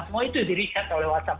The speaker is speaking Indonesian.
semua itu di research oleh whatsapp